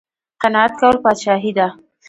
قناعت کول پادشاهي ده